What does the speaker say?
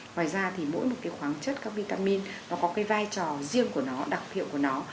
ngoài ra thì mỗi một cái khoáng chất các vitamin nó có cái vai trò riêng của nó đặc hiệu của nó